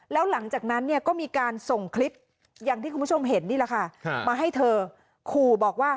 แล้วหลังจากนั้นก็มีการส่งคลิปมาให้เธอคูบอกว่า